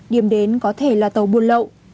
điểm đến có thể là tàu buôn lậu